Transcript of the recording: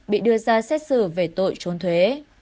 bị đưa ra xét xử về tội trốn thuế